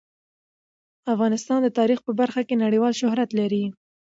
افغانستان د تاریخ په برخه کې نړیوال شهرت لري.